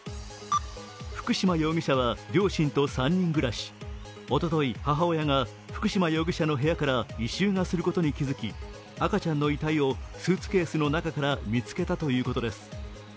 福島容疑者は両親と３人暮らしおととい、母親が福島容疑者の部屋から異臭がすることに気づき赤ちゃんの遺体をスーツケースの中から見つけたということです。